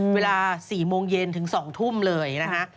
เวลา๔โมงเย็นถึง๒ทุ่มเลยนะฮะ